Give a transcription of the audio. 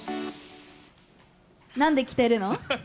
なんで着てるの？